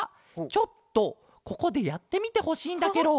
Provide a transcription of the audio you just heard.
ちょっとここでやってみてほしいんだケロ。